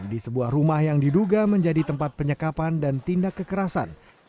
di sebuah rumah yang diduga menjadi tempat penyekapan dan tindak kekerasan